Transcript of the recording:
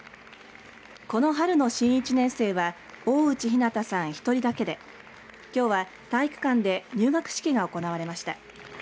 この春の新１年生は大内陽向さん１人だけできょうは体育館で入学式が行われました。